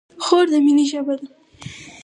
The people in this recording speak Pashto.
خور د مینې ژبه ده.